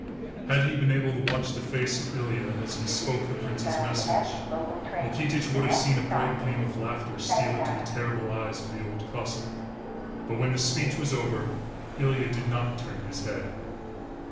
Had he been able to watch the face of Ilya as he spoke the Prince's message, Nikitich would have seen a bright gleam of laughter steal into the terrible eyes of the Old Cossáck. But when the speech was over, Ilya did not turn his head.